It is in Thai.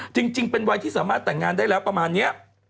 จริงเป็นวัยที่สามารถแต่งงานได้แล้วประมาณนี้